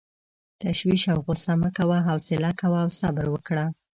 تشویش او غصه مه کوه، حوصله کوه او صبر وکړه.